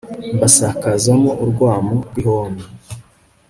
mbasakazamo urwamo rw'ihoni